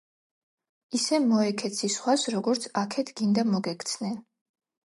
ისე მოექეცი სხვას როგორც აქეთ გინდა მოგექცნენ